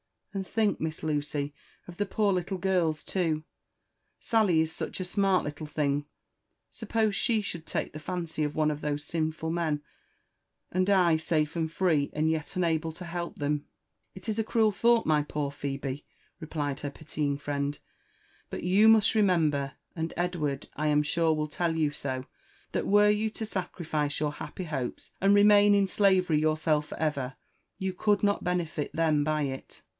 And think. Miss Lucy, of the poor little girls too I— Sally is such a smart little thing !— •suppose she should take the fancy of one of those sinful men, and I safe and free, and yet unable to help them r It is a cruel thought, my poor Phebe," repKedher pitying friend ;'* but you must remember, and Edward, I am sure, will tell you so, that were you to sacrifice your happy hopes and remain in slavery yourself for ever, you could not benefit them by it."